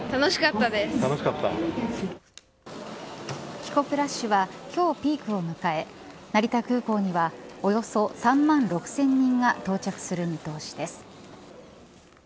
帰国ラッシュは今日、ピークを迎え成田空港にはおよそ３万６０００人が到着する見通しです。